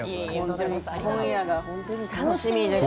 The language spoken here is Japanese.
今夜が本当に楽しみです。